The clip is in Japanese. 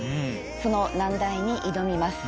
その難題に挑みます。